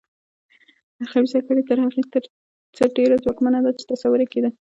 خبیثه کړۍ تر هغه څه ډېره ځواکمنه ده چې تصور یې کېده.